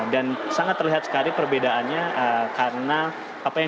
dan sangat terlihat sekali perbedaannya karena apa yang disampaikan